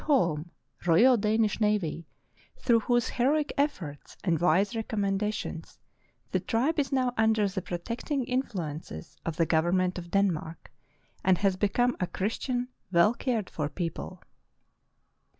Holm, Royal Danish Navy, through whose heroic efforts and wise recommendations the tribe is now under the protecting influences of the government of Denmark and has become a Christian, well cared for people.